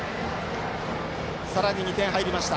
さらに２点入りました。